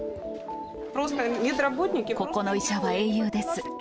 ここの医者は英雄です。